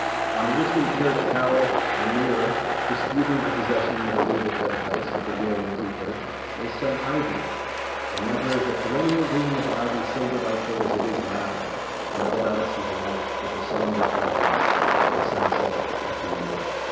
On a distant church tower, and nearer, disputing the possession of a gabled red house with a glowing creeper, is some ivy; and never is the perennial green of ivy so delightful as it is now, when all else is alight with the sombre fire of the sunset of the year....